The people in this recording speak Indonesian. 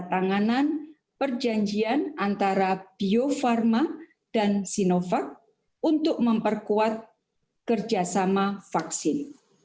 kami berdua menyaksikan perjanjian antara bio farma dan sinovac untuk memperkuat kerjasama vaksin